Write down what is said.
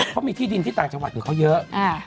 เขามีที่ดินที่ต่างจังหวัดอยู่เขาเยอะ